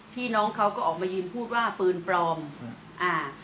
พี่น้องเขาก็ออกมายืนพูดว่าปืนปลอมอืมอ่า